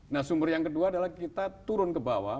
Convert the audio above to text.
nah sumber yang kedua adalah kita turun ke bawah